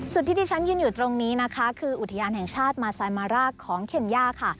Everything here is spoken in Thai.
จุดที่ที่ฉันยืนอยู่ตรงนี้นะคะคืออุทยานแห่งชาติมาไซมาร่าของเคนย่าค่ะ